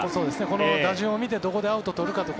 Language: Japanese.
この打順を見てどこでアウトを取るかと。